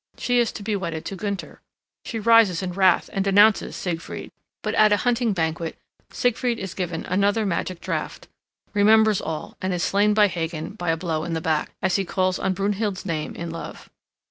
She is to be wedded to Gunther. She rises in wrath and denounces Siegfried. But at a hunting banquet Siegfried is given another magic draught, remembers all, and is slain by Hagan by a blow in the back, as he calls on Brunhild's name in love.